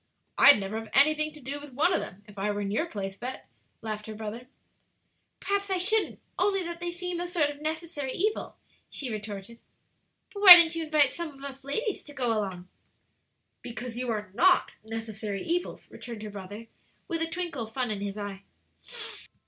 "I'd never have anything to do with one of them if I were in your place, Bet," laughed her brother. "Perhaps I shouldn't, only that they seem a sort of necessary evil," she retorted. "But why don't you invite some of us ladies to go along?" "Because you are not necessary evils," returned her brother, with a twinkle of fun in his eye.